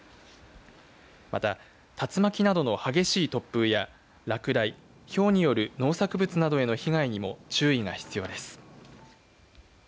また竜巻などの激しい突風や落雷ひょうによる農作物などへの被害にも注意が必要です。